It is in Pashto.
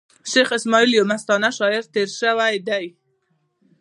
شېخ اسماعیل یو مستانه شاعر تېر سوﺉ دﺉ.